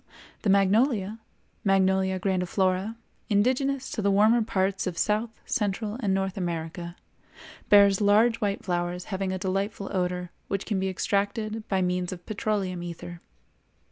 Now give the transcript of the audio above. The magnolia (Magnolia grandiflora), indigenous to the warmer parts of South, Central, and North America, bears large white flowers having a delightful odor which can be extracted by means of petroleum ether.